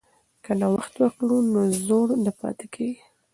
که نوښت وکړو نو زوړ نه پاتې کیږو.